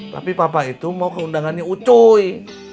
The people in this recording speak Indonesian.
tapi papa itu mau keundangannya ucoi